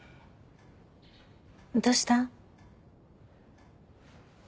どうした？